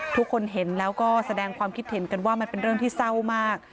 ทุกคนเห็นแล้วก็แสดงความคิดเห็นกันว่ามันเป็นเรื่องที่เศร้ามาก